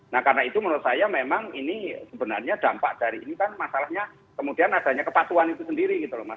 nah karena itu menurut saya memang ini sebenarnya dampak dari ini kan masalahnya kemudian adanya kepatuan itu sendiri gitu loh mas